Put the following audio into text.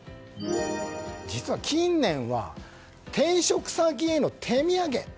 実は、近年は転職先への手土産。